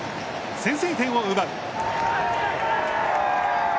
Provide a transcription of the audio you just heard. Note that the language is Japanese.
先制点を奪う。